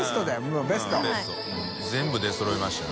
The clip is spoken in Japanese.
Δベスト全部出そろいましたね。